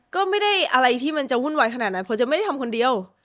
ก็ไม่ได้อะไรที่มันจะวุ่นวายขนาดนั้นเพราะจะไม่ได้ทำคนเดียว